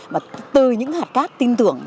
mà từ những hạt cát tin tưởng